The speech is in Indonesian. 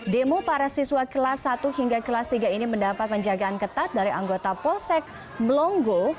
demo para siswa kelas satu hingga kelas tiga ini mendapat penjagaan ketat dari anggota polsek melongo